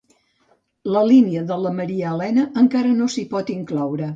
La línia de la Maria Elena encara no s'hi pot incloure